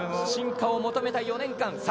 進化を求めた４年間。